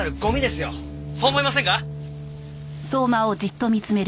そう思いませんか？